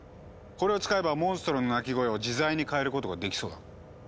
これを使えばモンストロの鳴き声を自在に変えることができそうだ。